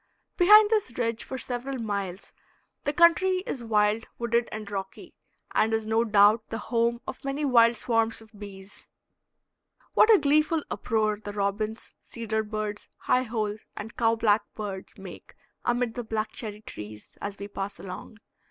Behind this ridge for several miles the country is wild, wooded, and rocky, and is no doubt the home of many wild swarms of bees. What a gleeful uproar the robins, cedar birds, high holes, and cow black birds make amid the black cherry trees as we pass along.